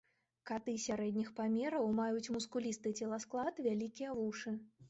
Каты сярэдніх памераў, маюць мускулісты целасклад, вялікія вушы.